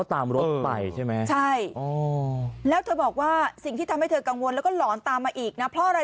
ตามรถไปใช่ไหมใช่แล้วเธอบอกว่าสิ่งที่ทำให้เธอกังวลแล้วก็หลอนตามมาอีกนะเพราะอะไร